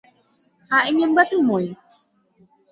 Ha oñemyatymói.